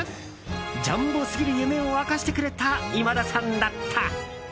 ジャンボすぎる夢を明かしてくれた今田さんだった。